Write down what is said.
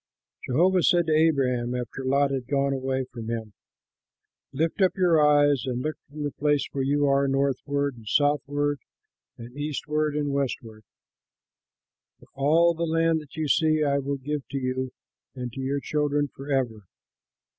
Jehovah said to Abraham, after Lot had gone away from him, "Lift up your eyes and look from the place where you are northward, southward, eastward and westward, for all the land that you see I will give to you and to your children forever.